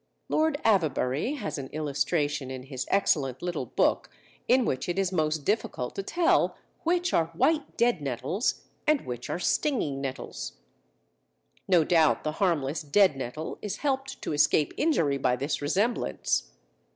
Lord Avebury has an illustration in his excellent little book in which it is most difficult to tell which are White Deadnettles and which are stinging nettles. No doubt the harmless deadnettle is helped to escape injury by this resemblance.